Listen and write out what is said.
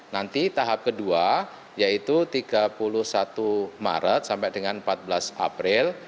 nanti tahap kedua yaitu tiga puluh satu maret sampai dengan empat belas april